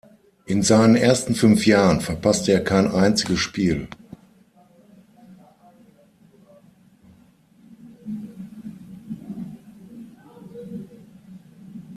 In seinen ersten fünf Jahren verpasste er kein einziges Spiel.